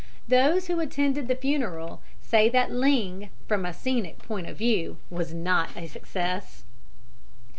Those who attended the funeral say that Ling from a scenic point of view was not a success.